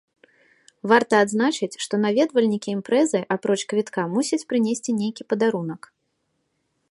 Варта адзначыць, што наведвальнікі імпрэзы апроч квітка мусяць прынесці нейкі падарунак.